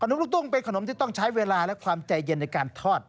นมลูกตุ้งเป็นขนมที่ต้องใช้เวลาและความใจเย็นในการทอด